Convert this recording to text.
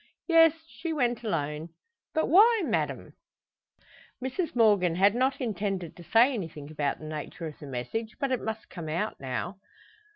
"Yes; she went alone." "But why, madame?" Mrs Morgan had not intended to say anything about the nature of the message, but it must come out now.